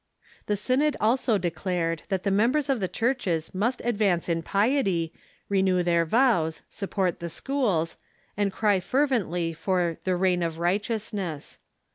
The synod also declared that the members of the churches must advance in piety, renew their vows, support the schools, and cry fervently for the " rain of righteousness."